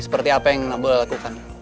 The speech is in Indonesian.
seperti apa yang nabi allah lakukan